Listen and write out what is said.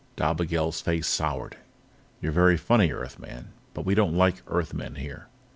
Dobigel's smile soured. "You're very funny, Earthman. But we don't like Earthmen here."